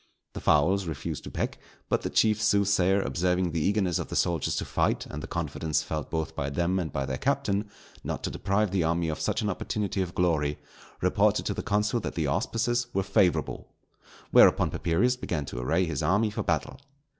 The fowls refused to peck; but the chief soothsayer observing the eagerness of the soldiers to fight and the confidence felt both by them and by their captain, not to deprive the army of such an opportunity of glory, reported to the consul that the auspices were favourable. Whereupon Papirius began to array his army for battle.